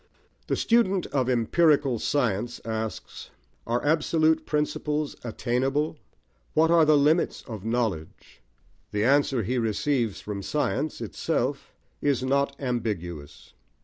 The student of empirical science asks, Are absolute principles attainable? What are the limits of knowledge? The answer he receives from science itself is not ambiguous.